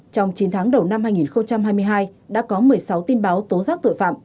trong chín tháng đầu năm hai nghìn hai mươi hai đã có một mươi sáu tin báo tố giác tội phạm